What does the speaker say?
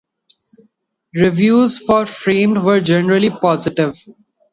Reviews for "Framed" were generally positive.